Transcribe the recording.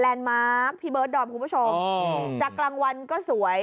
มาร์คพี่เบิร์ดดอมคุณผู้ชมจากกลางวันก็สวย